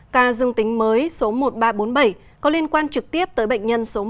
ca dương tính mới số một nghìn ba trăm bốn mươi bảy có liên quan trực tiếp tới bệnh nhân số một nghìn ba trăm bốn mươi hai